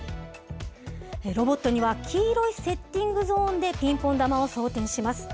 ロボットには、黄色いセッティングゾーンでピンポン球を装填します。